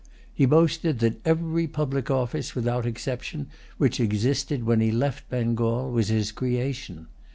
He boasted that every public office, without exception, which existed when he left Bengal was his creation.